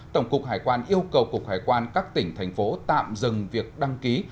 tổng cục hải quan yêu cầu cục hải quan các tỉnh thành phố tạm dừng việc đăng ký